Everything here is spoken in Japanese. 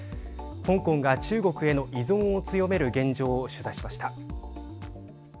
香港が中国への依存を強める現状を取材しました。